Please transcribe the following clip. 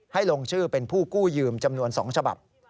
ลงชื่อเป็นผู้กู้ยืมจำนวน๒ฉบับ